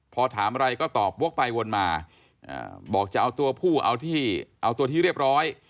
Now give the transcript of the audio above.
พอถามอะไรก็ตอบวกไปวนมาบอกจะเอาตัวผู้เอาที่เอาตัวที่เรียบร้อย